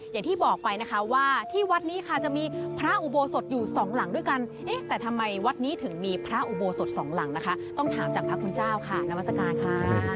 อย่างที่บอกไปนะคะว่าที่วัดนี้ค่ะจะมีพระอุโบสถอยู่สองหลังด้วยกันเอ๊ะแต่ทำไมวัดนี้ถึงมีพระอุโบสถสองหลังนะคะต้องถามจากพระคุณเจ้าค่ะนามัศกาลค่ะ